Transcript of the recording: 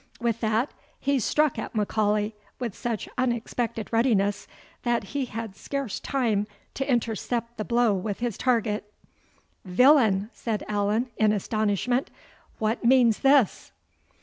With that, he struck at M'Aulay with such unexpected readiness, that he had scarce time to intercept the blow with his target. "Villain!" said Allan, in astonishment, "what means this?"